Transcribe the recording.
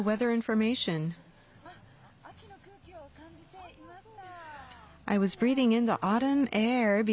秋の空気を感じていました。